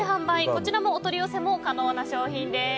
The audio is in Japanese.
こちらもお取り寄せも可能な商品です。